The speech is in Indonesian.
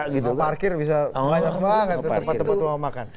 bisa parkir bisa tempat tempat mau makan